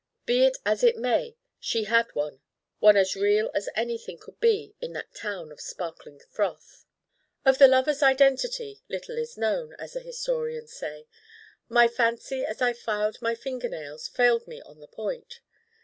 Be it as it may she had one one as real as anything could be in that town of sparkling froth. Of the lover's identity little is known, as the historians say. My fancy as I filed my fingernails failed me on the point.